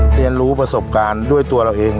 เรียนรู้ประสบการณ์ด้วยตัวเราเอง